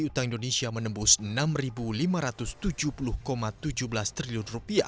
utang indonesia menembus rp enam lima ratus tujuh puluh tujuh belas triliun